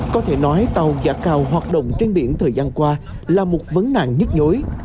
có thể nói tàu giả cao hoạt động trên biển thời gian qua là một vấn nạn nhất nhối